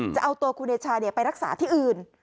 จะเอาตัวคุณเดชาไปรักษาที่อื่น